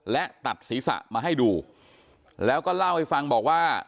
และตัดศีรษะมาให้ดูแล้วก็เล่าให้ฟังบอกว่า